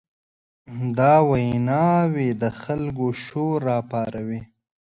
دا ویناوې د خلکو شور راپاروي.